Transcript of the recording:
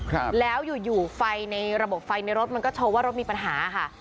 ครับแล้วอยู่อยู่ไฟในระบบไฟในรถมันก็โชว์ว่ารถมีปัญหาค่ะ